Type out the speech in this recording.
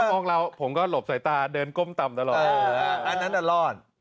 มองเราผมก็หลบใส่ตาเดินก้มตำตลอดอันนั้นตลอด